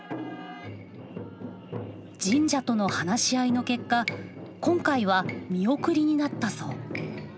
神社との話し合いの結果今回は見送りになったそう。